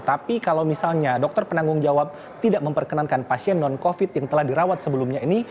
tapi kalau misalnya dokter penanggung jawab tidak memperkenankan pasien non covid yang telah dirawat sebelumnya ini